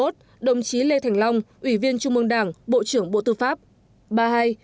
ba mươi một đồng chí lê thành long ủy viên trung mương đảng bộ trưởng bộ tư pháp